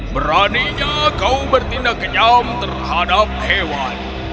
beraninya kau bertindak kenyam terhadap hewan